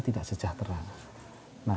tidak sejahtera nah